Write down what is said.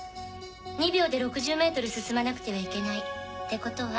２秒で６０ｍ進まなくてはいけないってことは。